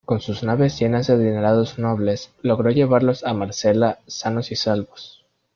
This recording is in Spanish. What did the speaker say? Con sus naves llenas de adinerados nobles logró llevarlos a Marsella sanos y salvos.